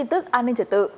tin tức an ninh trật tự